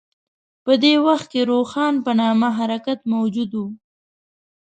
په دې وخت کې روښان په نامه حرکت موجود و.